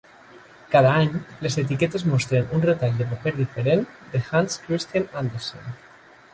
Cada any, les etiquetes mostren un retall de paper diferent de Hans Christian Andersen.